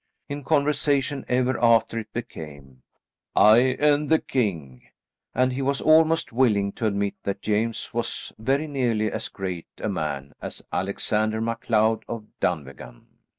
In conversation ever after it became, "I and the king," and he was almost willing to admit that James was very nearly as great a man as Alexander MacLeod of Dunvegan.